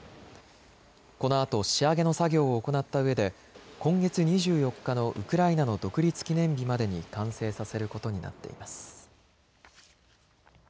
このあと仕上げの作業を行ったうえで今月２４日のウクライナの独立記念日までに完成させることになっています。